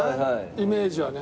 イメージはね。